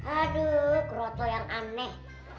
aduh keroto yang aneh